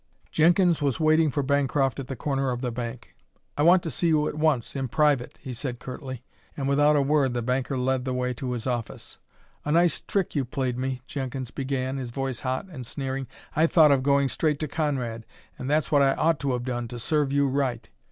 Jenkins was waiting for Bancroft at the door of the bank. "I want to see you at once, in private," he said curtly, and without a word the banker led the way to his office. "A nice trick you played me," Jenkins began, his voice hot and sneering. "I thought of going straight to Conrad; and that's what I ought to have done, to serve you right."